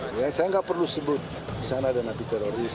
saya tidak perlu sebut disana ada nabi teroris